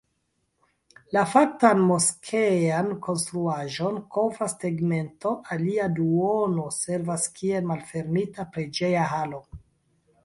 La faktan moskean konstruaĵon kovras tegmento, alia duono servas kiel malfermita preĝeja halo.